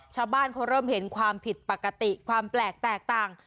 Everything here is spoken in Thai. ชาวบ้านเขาเริ่มเห็นความผิดปกติความแปลกแตกต่าง